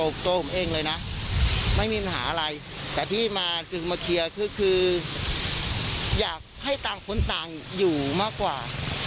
ครมาคีย่คือยากให้ตังค์ค้นตังค์อยู่มากกว่า